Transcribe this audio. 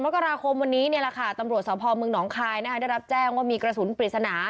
มกราคมวันนี้ตำรวจสพเมืองหนองคายได้รับแจ้งว่ามีกระสุนปริศนา